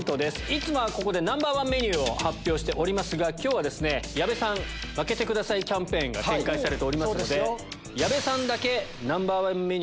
いつもはここでＮｏ．１メニュー発表しておりますが今日は矢部さん負けてくださいキャンペーンが展開されてますので。